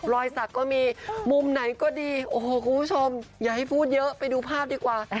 รอยสักก็มีมุมไหนก็ดีโอ้โหคุณผู้ชมอย่าให้พูดเยอะไปดูภาพดีกว่า